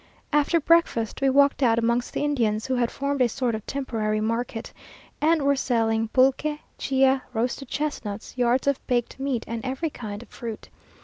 After breakfast, we walked out amongst the Indians, who had formed a sort of temporary market, and were selling pulque, chia, roasted chestnuts, yards of baked meat, and every kind of fruit.